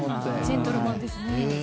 ジェントルマンですね。